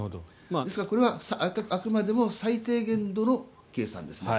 ですから、これはあくまでも最低限度の計算ですね。